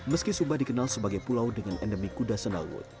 meski sumba dikenal sebagai pulau dengan endemi kuda senawut